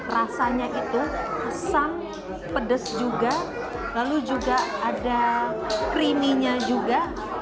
rasanya itu kesan pedes juga lalu juga ada creaminess juga